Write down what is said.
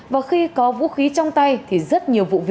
và khi có vũ khí trong tay thì rất nhiều vụ việc